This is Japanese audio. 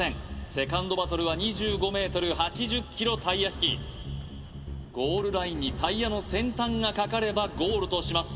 セカンドバトルは２５ｍ８０ｋｇタイヤ引きゴールラインにタイヤの先端がかかればゴールとします